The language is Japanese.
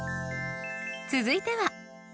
続いては。